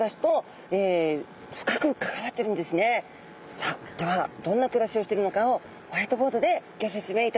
さあではどんなくらしをしてるのかをホワイトボートでギョせつめいいたします。